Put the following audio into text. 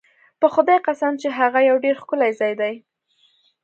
په خدای قسم چې هغه یو ډېر ښکلی ځای دی.